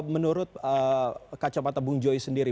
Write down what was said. menurut kacamata bung joy sendiri